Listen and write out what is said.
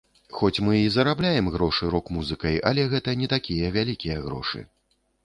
Хоць мы і зарабляем грошы рок-музыкай, але гэта не такія вялікія грошы.